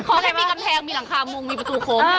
เขาเลยมีกำแพงมีหลังคามุงมีประตูโค้ง